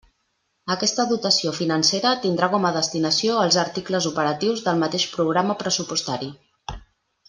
Aquesta dotació financera tindrà com a destinació els articles operatius del mateix programa pressupostari.